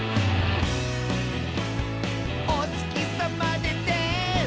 「おつきさまでて」